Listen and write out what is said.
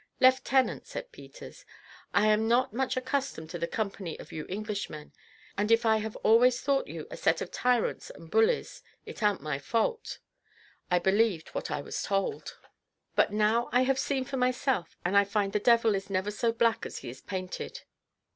"Leftenant," said Peters, "I am not much accustomed to the company of you Englishmen; and if I have always thought you a set of tyrants and bullies, it arn't my fault. I believed what I was told; but now I have seen for myself, and I find the devil is never so black as he is painted."